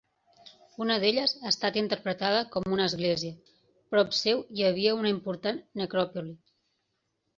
Una d'elles ha estat interpretada com una església; prop seu hi havia una important necròpoli.